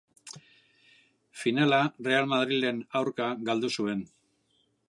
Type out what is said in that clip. Finala Real Madriden aurka galdu zuen.